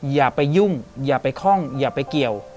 อย่าไปยุ่งอย่าไปคล่องอย่าไปเกี่ยว